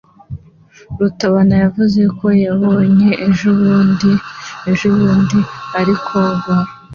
Rutabana yavuze ko yaboe ejobundi ejobundi arimo koga.